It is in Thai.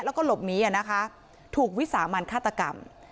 แล้วก็หลบหนีนะคะถูกวิสามันฆาตกรรม